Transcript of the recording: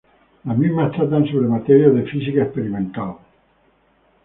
Las mismas tratan sobre materias de física experimental.